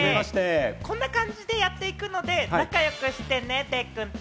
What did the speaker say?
こんな感じでやっていくので、仲良くしてね、デイくんと。